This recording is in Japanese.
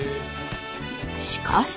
しかし。